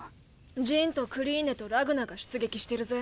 ジンとクリーネとラグナが出撃してるぜ。